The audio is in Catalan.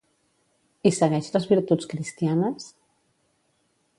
I segueix les virtuts cristianes?